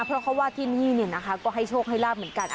เพราะเขาว่าที่นี่ก็ให้โชคให้ลาบเหมือนกัน